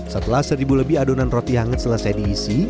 setelah seribu lebih adonan roti hangat selesai diisi